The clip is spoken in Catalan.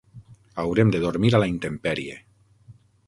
Haurem de dormir a la intempèrie.